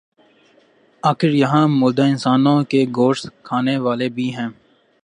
آخر یہاں مردہ انسانوں کے گوشت کھانے والے بھی ہیں۔